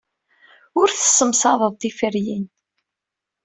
Ur tessemsadeḍ tiferyin.